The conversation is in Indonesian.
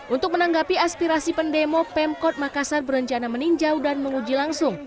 untuk menanggapi aspirasi pendemo pemkot makassar berencana meninjau dan menguji langsung